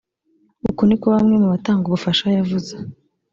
Uku ni ko umwe mu batanga ubufasha yavuze